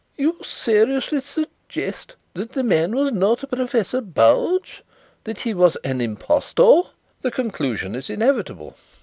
"You seriously suggest that the man was not Professor Bulge that he was an impostor?" "The conclusion is inevitable.